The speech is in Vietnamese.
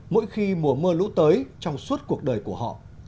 mỗi khi mùa mưa lũ tới trong suốt cuộc đời của họ